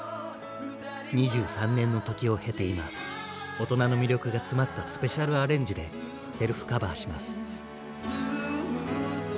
２３年の時を経て今大人の魅力が詰まったスペシャル・アレンジでセルフカバーします。